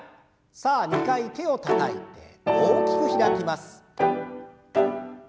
さあ２回手をたたいて大きく開きます。